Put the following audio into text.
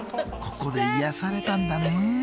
ここで癒やされたんだね。